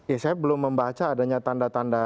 ya saya belum membaca adanya tanda tanda